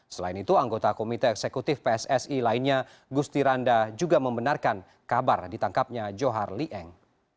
selain itu anggota komite eksekutif pssi lainnya gusti randa juga membenarkan kabar ditangkapnya johar lee eng